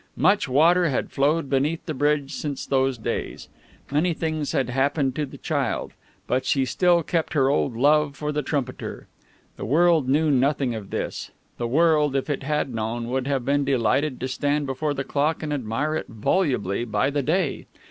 Much water had flowed beneath the bridge since those days. Many things had happened to the child. But she still kept her old love for the trumpeter. The world knew nothing of this. The world, if it had known, would have been delighted to stand before the clock and admire it volubly, by the day.